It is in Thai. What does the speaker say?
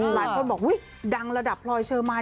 หลายคนบอกอุ๊ยดังระดับพลอยเชอร์มาย